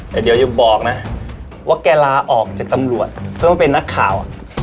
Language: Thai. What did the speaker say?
แต่เดี๋ยวอย่าบอกนะว่าแกลาออกจากตำรวจก็ต้องเป็นนักข่าว